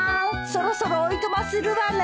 そろそろおいとまするわね。